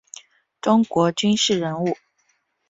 中国军事人物。